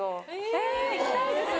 え行きたいです。